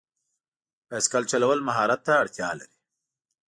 بایسکل چلول مهارت ته اړتیا لري.